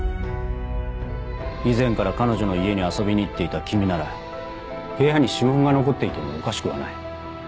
以前から彼女の家に遊びに行っていた君なら部屋に指紋が残っていてもおかしくはない。